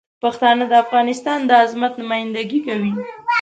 پښتانه د افغانستان د عظمت نمایندګي کوي.